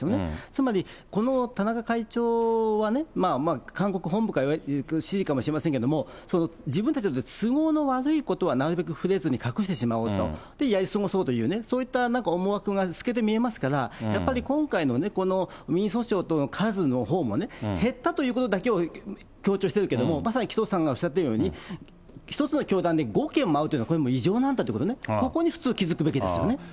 つまり、この田中会長はね、韓国本部からの指示かもしれませんけれども、自分たちにとって都合の悪いことはなるべく触れずに隠してしまおうと、やり過ごそうとね、そういう思惑が透けて見えますから、やっぱり今回のこの民事訴訟の数のほうも、減ったということだけを強調してるけども、まさに紀藤さんがおっしゃってるように、１つの教団で５件もあるというのは、これ異常なんだということ、ここに普通気付くべきですよね。